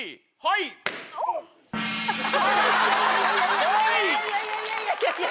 いやいやいや！